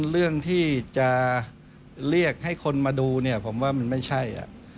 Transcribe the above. เรื่องที่จะเรียกให้คนมาดูเนี่ยผมว่ามันไม่ใช่